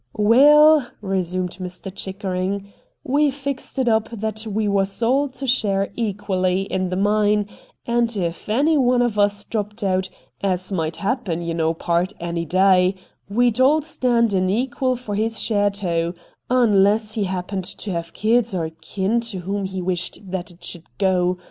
' Waal,' resumed Mr. Chickering, ' we fixed it up that we was all to share ekally in the mine, and ef any one of us dropped out, as might happen, ye know, pard, any day, we'd all stand in ekal for his share, too, unless he happened to have kith or kin to whom he wished that it should go.